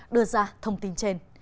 đưa ra thông tin trên